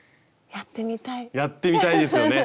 やってみたいですよね！